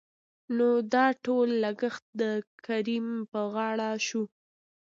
نو دا ټول لګښت دکريم په غاړه شو.